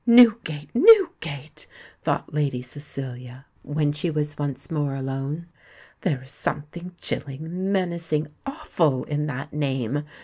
"Newgate, Newgate!" thought Lady Cecilia, when she was once more alone: "there is something chilling—menacing—awful in that name!